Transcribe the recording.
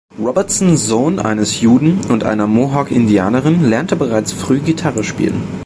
Robertson, Sohn eines Juden und einer Mohawk-Indianerin, lernte bereits früh Gitarre spielen.